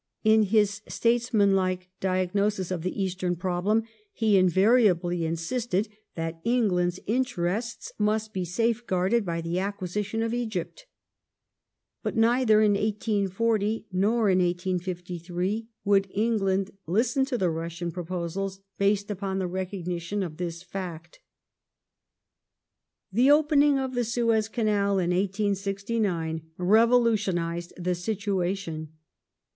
In his statesmanlike diagnosis of the Eastern problem he invariably insisted that Eng land's interests must be safeguarded by the acquisition of Egypt. But neither in 1840 nor in 1853 would England listen to the Russian proposals based upon the recognition of this fact. The Suez The opening of the Suez Canal in 1869 revolutionized the situa Canal tion.